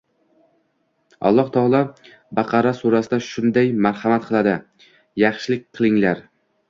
Alloh taolo Baqara surasida shunday marhamat qiladi:”Yaxshilik qilinglar